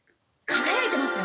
輝いてます？